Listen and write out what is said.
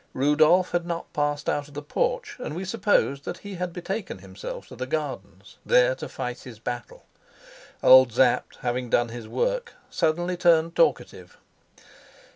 Rudolf had not passed out of the porch, and we supposed that he had betaken himself to the gardens, there to fight his battle. Old Sapt, having done his work, suddenly turned talkative.